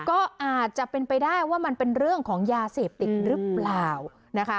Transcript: ก็อาจจะเป็นไปได้ว่ามันเป็นเรื่องของยาเสพติดหรือเปล่านะคะ